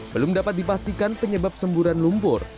belum dapat dipastikan penyebab semburan lumpur